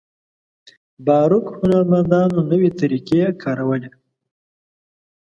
باروک هنرمندانو نوې طریقې کارولې.